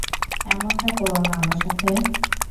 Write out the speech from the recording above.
এমনটা কোরো না আমার সাথে।